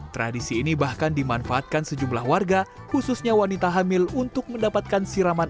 tradisi ini bahkan dimanfaatkan sejumlah warga khususnya wanita hamil untuk mendapatkan siraman